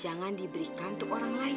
jangan diberikan untuk orang lain